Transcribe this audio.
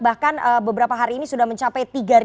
bahkan beberapa hari ini sudah mencapai